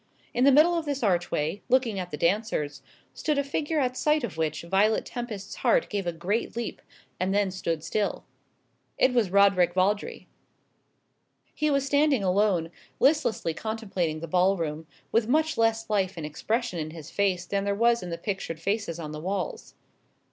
In the middle of this archway, looking at the dancers, stood a figure at sight of which Violet Tempest's heart gave a great leap, and then stood still. It was Roderick Vawdrey. He was standing alone, listlessly contemplating the ball room, with much less life and expression in his face than there was in the pictured faces on the walls.